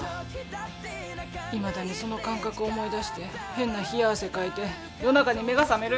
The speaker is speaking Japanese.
いまだにその感覚思い出して変な冷や汗かいて夜中に目が覚める。